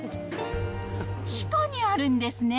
地下にあるんですね。